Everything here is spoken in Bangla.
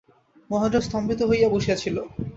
মহেন্দ্র স্তম্ভিত হইয়া বসিয়া ছিল।